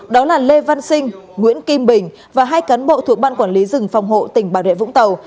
đó là lê văn sinh nguyễn kim bình và hai cán bộ thuộc ban quản lý dừng phòng hộ tỉnh bản huyện vũng tàu